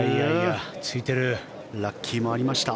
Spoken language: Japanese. ラッキーもありました。